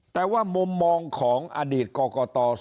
แต่ว่ามุมมองของอดีตกรกต